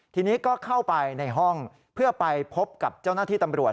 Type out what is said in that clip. ทีนี้ก็เข้าไปในห้องเพื่อไปพบกับเจ้าหน้าที่ตำรวจ